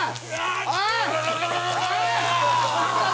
おい！